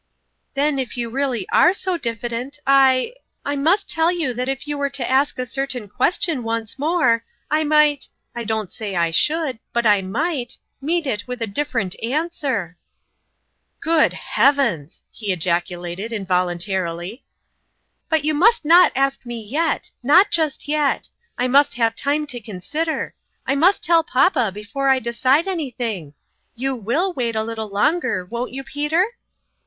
" Then, if you are really so diffident, I I must tell you that if you were to ask a certain question once more, I might I don't say I should, but I might meet it with a different answer !"" Good Heavens !" he ejaculated, involun tarily. " But you must not ask me yet not just yet. I must have time to consider. I must tell papa before I decide anything. You will wait a little longer, won't you, Peter